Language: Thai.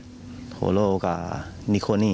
อยู่ดีมาตายแบบเปลือยคาห้องน้ำได้ยังไง